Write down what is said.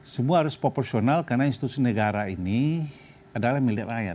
semua harus proporsional karena institusi negara ini adalah milik rakyat